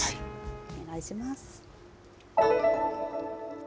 お願いします。